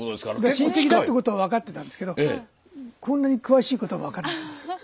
親戚だってことは分かってたんですけどこんなに詳しいことは分からなかったです。